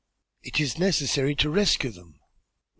It is necessary to rescue them."